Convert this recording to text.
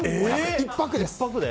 １泊です。